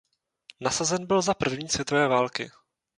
Nasazen byl za první světové války.